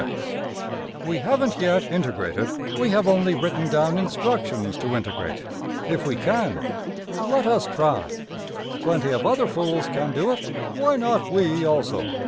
''] \end{quote} We haven't yet integrated: we have only written down instructions to integrate if we can. Let us try. Plenty of other fools can do it why not we also?